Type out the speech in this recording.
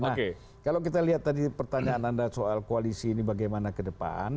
nah kalau kita lihat tadi pertanyaan anda soal koalisi ini bagaimana ke depan